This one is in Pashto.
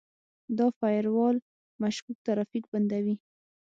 دا فایروال مشکوک ترافیک بندوي.